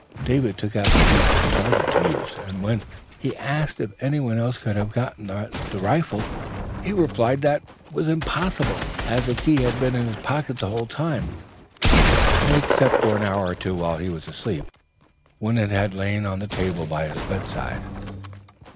David took out the key for the sergeant to use, and when he was asked if anyone else could have got at the rifle, he replied that it was impossible, as the key had been in his pocket the whole time, except for an hour or two while he was asleep, when it had lain on the table by his bedside."